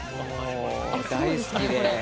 大好きで。